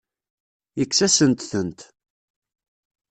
Yekkes-asent-tent.